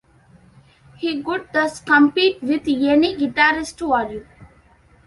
He could thus compete with any guitarist's volume.